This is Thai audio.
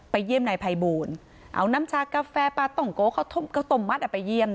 ไปเยี่ยมในภัยบูรณ์เอาน้ำชากาแฟปลาต้องโกไปเยี่ยม